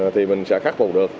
thì mình sẽ khắc phục được